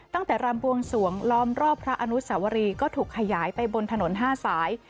รำบวงสวงล้อมรอบพระอนุสวรีก็ถูกขยายไปบนถนน๕สาย